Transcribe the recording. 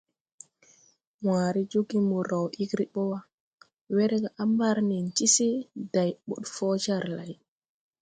Wããre joge mo raw ɛgre bɔ wa, werga a mbar nen ti se, day bod fɔ jar lay.